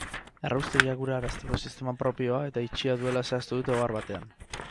Erraustegiak ura arazteko sistema propioa eta itxia duela zehaztu dute ohar batean.